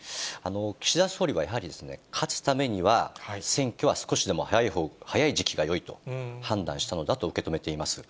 岸田総理はやはり勝つためには、選挙は少しでも早い時期がよいと判断したのだと受け止めています。